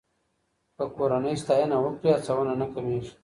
که کورنۍ ستاینه وکړي، هڅونه نه کمېږي.